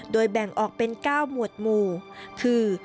โดยแบ่งออกเป็น๙หมวดหมู่คือ